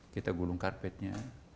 kita gulung karpetnya